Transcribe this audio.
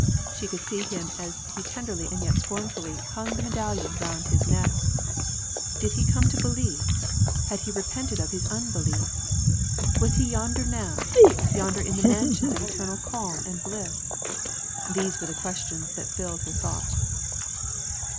She could see him as he tenderly and yet scornfully hung the medallion round his neck. Did he come to believe ? Had he repented of his unbelief ? Was he yonder now, yonder in the mansions of eternal calm and bliss ? These were the questions tliat filled her thoughts.